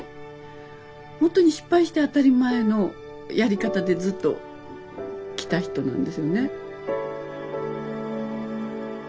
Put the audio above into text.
ほんとに失敗して当たり前のやり方でずっときた人なんですよね。